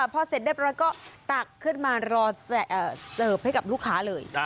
พอเสร็จเรียบร้อยก็ตักขึ้นมารอเสิร์ฟให้กับลูกค้าเลย